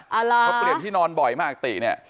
เอาล่ะเขาเปลี่ยนที่นอนบ่อยมากติเนี่ย